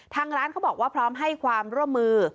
ทางร้านเขาบอกว่าพร้อมให้ความร่วมมือ